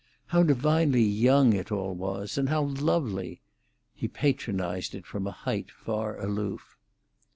How divinely young it all was, and how lovely! He patronised it from a height far aloof.